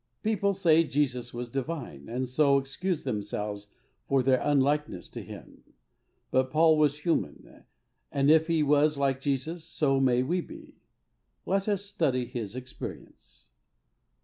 People say Jesus was divine, and so excuse themselves for their unlikeness to Him, but Paul was human, and if he was like Jesus, so may we be. Let us study his experience.